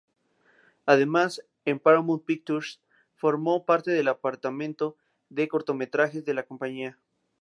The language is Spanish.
Además, en Paramount Pictures formó parte del departamento de cortometrajes de la compañía.